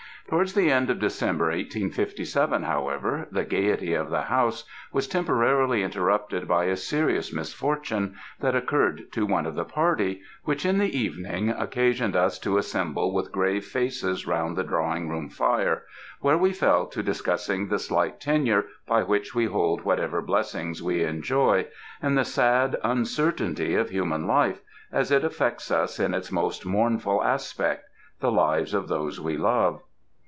Towards the end of December, 1857, however, the gaiety of the house was temporarily interrupted by a serious misfortune that occurred to one of the party, which, in the evening, occasioned us to assemble with grave faces round the drawing room fire, where we fell to discussing the slight tenure by which we hold whatever blessings we enjoy, and the sad uncertainty of human life, as it affects us in its most mournful aspect the lives of those we love.